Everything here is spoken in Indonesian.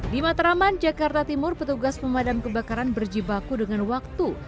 di matraman jakarta timur petugas pemadam kebakaran berjibaku dengan waktu